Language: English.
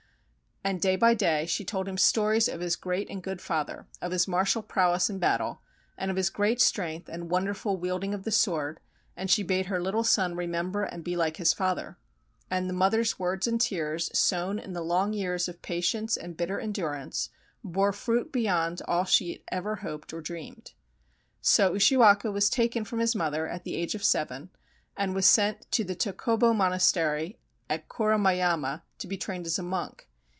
And day by day she told him stories of his great and good father — of his martial prowess in battle, and of his great strength and wonderful wielding of the sword, and she bade her little son remember and be like his father. And the mother's words and tears, sown in long years of patience and bitter endurance, bore fruit beyond all she had ever hoped or dreamed. So Ushiwaka was taken from his mother at the age of seven, and was sent to the Tokobo Monastery, at Kuramayama, to be trained as a monk.